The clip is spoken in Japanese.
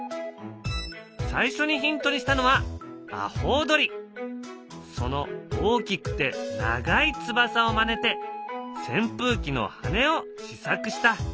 最初にヒントにしたのはその大きくて長い翼をまねてせん風機の羽根を試作した。